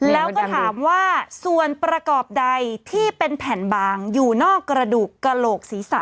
แล้วก็ถามว่าส่วนประกอบใดที่เป็นแผ่นบางอยู่นอกกระดูกกระโหลกศีรษะ